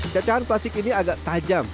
cacahan plastik ini agak tajam